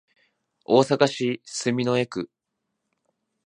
大阪市住之江区